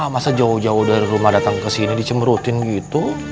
masa jauh jauh dari rumah datang kesini dicemerutin gitu